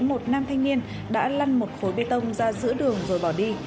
một nam thanh niên đã lăn một khối bê tông ra giữa đường rồi bỏ đi